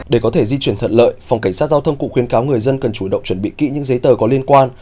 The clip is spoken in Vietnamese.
để có thể di chuyển thuận lợi phòng cảnh sát giao thông cũng khuyến cáo người dân cần chủ động chuẩn bị kỹ những giấy tờ có liên quan